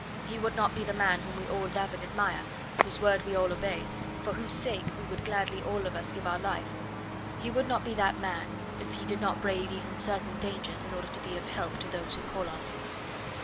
He would not be the man whom we all love and admire, whose word we all obey, for whose sake we would gladly all of us give our life he would not be that man if he did not brave even certain dangers in order to be of help to those who call on him.